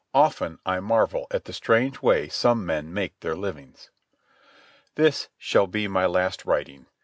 Often I marvel at the strange way some men make their livings. This shall be my last writing.